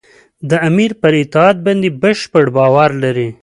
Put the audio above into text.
د امیر پر اطاعت باندې بشپړ باور لري.